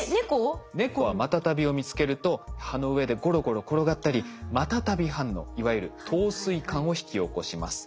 猫はマタタビを見つけると葉の上でゴロゴロ転がったりマタタビ反応いわゆる陶酔感を引き起こします。